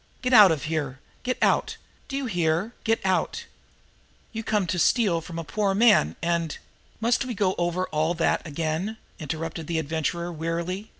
"Get out of here! Get out! Do you hear? Get out! You come to steal from a poor old man, and " "Must we go all over that again?" interrupted the Adventurer wearily.